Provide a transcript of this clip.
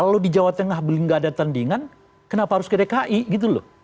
kalau di jawa tengah beliau nggak ada tendingan kenapa harus ke dki gitu loh